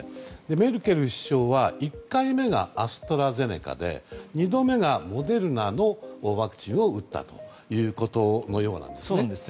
メルケル首相は１回目がアストラゼネカで２度目がモデルナのワクチンを打ったようなんです。